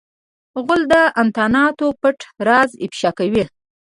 غول د انتاناتو پټ راز افشا کوي.